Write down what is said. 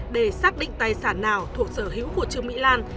để xác định tài sản nào thuộc sở hữu của trương mỹ lan